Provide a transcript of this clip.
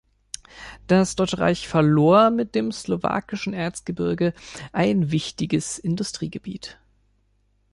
Das deutsche Reich verlor mit dem Slowakischen Erzgebirge ein wichtiges Industriegebiet.